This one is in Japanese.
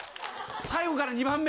最後から２番目。